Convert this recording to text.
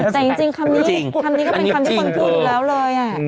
แต่จริงคำนี้คำนี้ก็เป็นคำที่คนพูดอยู่แล้วเลย